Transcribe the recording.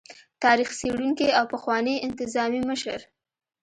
تاريخ څيړونکي او پخواني انتظامي مشر